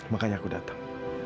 makanya aku datang